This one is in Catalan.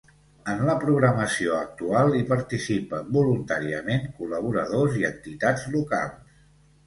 En la programació actual hi participen voluntàriament col·laboradors i entitats locals.